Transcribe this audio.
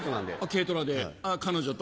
軽トラで彼女と。